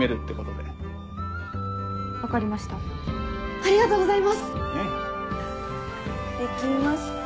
できました。